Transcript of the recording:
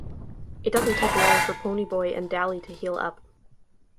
It doesn't take long for Ponyboy and Dally to heal up.